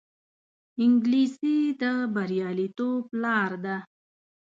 انګلیسي د بریالیتوب لار ده